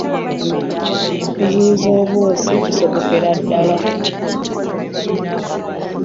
Okuziyiza obwosi kisobokera ddala.